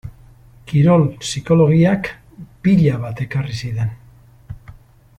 Kirol psikologiak pila bat ekarri zidan.